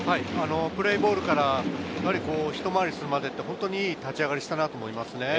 プレーボールからひと回りするまでは、いい立ち上がりをしたと思います。